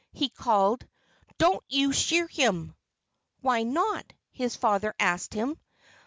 he called. "Don't you shear him!" "Why not?" his father asked him.